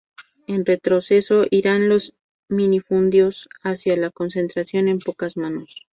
En retroceso irán los minifundios hacia la concentración en pocas manos.